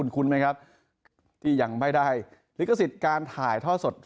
ไหมครับที่ยังไม่ได้ลิขสิทธิ์การถ่ายท่อสด